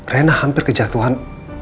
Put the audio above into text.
reina hampir kejatuhan